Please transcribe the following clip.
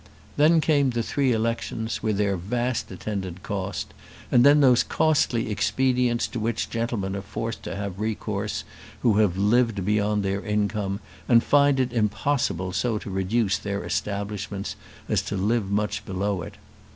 Then came the three elections, with their vast attendant cost, and then those costly expedients to which gentlemen are forced to have recourse who have lived beyond their income, and find it impossible so to reduce their establishments as to live much below it.